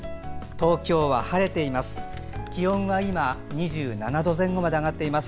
東京は晴れています。